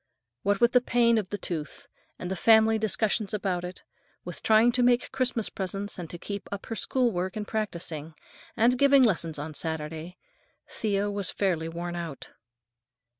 What with the pain of the tooth, and family discussions about it, with trying to make Christmas presents and to keep up her school work and practicing, and giving lessons on Saturdays, Thea was fairly worn out.